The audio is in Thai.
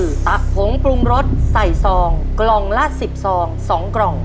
คือตักผงปรุงรสใส่ซองกล่องละ๑๐ซอง๒กล่อง